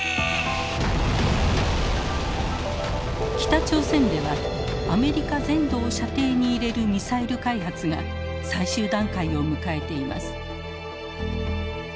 北朝鮮ではアメリカ全土を射程に入れるミサイル開発が最終段階を迎えています。